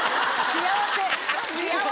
幸せ？